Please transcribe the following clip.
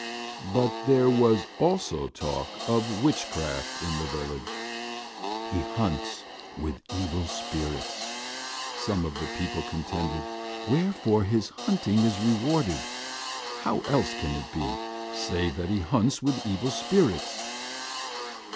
But there was also talk of witchcraft in the village. "He hunts with evil spirits," some of the people contended, "wherefore his hunting is rewarded. How else can it be, save that he hunts with evil spirits?"